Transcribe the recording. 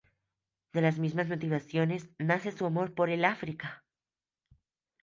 De las mismas motivaciones nace su amor por el África.